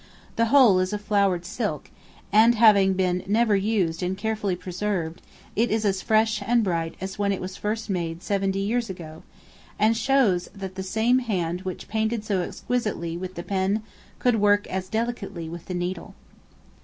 The whole is of flowered silk, and having been never used and carefully preserved, it is as fresh and bright as when it was first made seventy years ago; and shows that the same hand which painted so exquisitely with the pen could work as delicately with the needle.